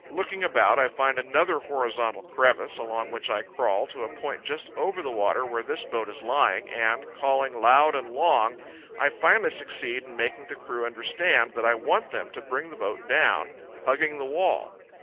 Looking about, I find another horizontal crevice, along which I crawl to a point just over the water where this boat is lying, and, calling loud and long, I finally succeed in making the crew understand that I want them to bring the boat down, hugging the wall.